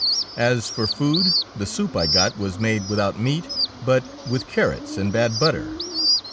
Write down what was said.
As for food, the soup I got was made without meat, but with carrots and bad butter.